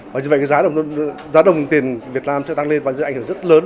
và như vậy cái giá đồng tiền việt nam sẽ tăng lên và sẽ ảnh hưởng rất lớn